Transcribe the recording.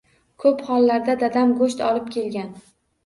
Koʻp hollarda dadam goʻsht olib kelgan